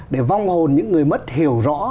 để vong hồn những người mất hiểu rõ